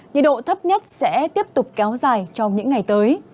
nhiệt độ thấp nhất sẽ tiếp tục kéo dài trong những ngày tới